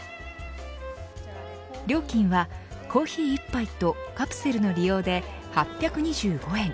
料金は、コーヒー１杯とカプセルの利用で８２５円。